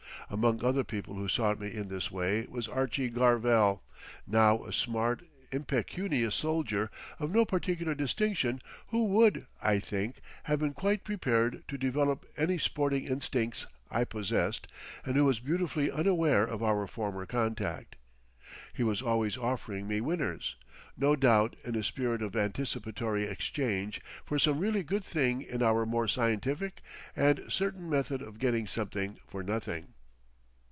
Among other people who sought me in this way was Archie Garvell, now a smart, impecunious soldier of no particular distinction, who would, I think, have been quite prepared to develop any sporting instincts I possessed, and who was beautifully unaware of our former contact. He was always offering me winners; no doubt in a spirit of anticipatory exchange for some really good thing in our more scientific and certain method of getting something for nothing....